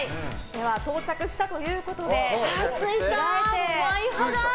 到着したということで着替えて。